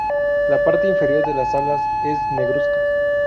La parte inferior de las alas es negruzca.